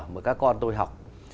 mà các con tôi học